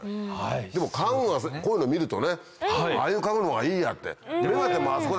でも家具はこういうの見るとねああいう家具の方がいいやって。